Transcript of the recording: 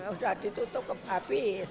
udah ditutup habis